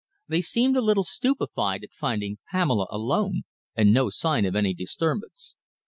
They seemed a little stupefied at finding Pamela alone and no sign of any disturbance.